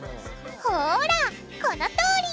ほらこのとおり！